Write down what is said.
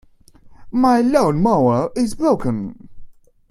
My lawn-mower is broken.